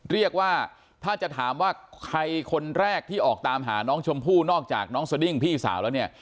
เรียกว่าถ้าจะถามว่าใครคนแรกที่ออกตามหาน้องชมพู่นอกจากน้องสดิ้งพี่สาวแล้วเนี่ย